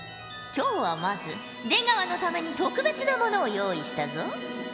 今日はまず出川のために特別なものを用意したぞ。